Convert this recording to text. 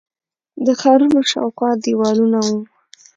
د ښارونو شاوخوا دیوالونه وو